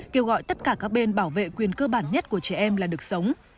kêu gọi tất cả các bên bảo vệ quyền cơ bản nhất của trẻ em là được sống